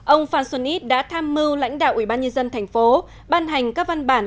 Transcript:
ông phan xuân ít đã tham mưu lãnh đạo ủy ban nhân dân tp ban hành các văn bản